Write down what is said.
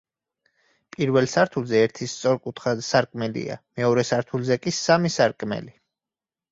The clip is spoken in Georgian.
პირველ სართულზე ერთი სწორკუთხა სარკმელია, მეორე სართულზე კი სამი სარკმელი.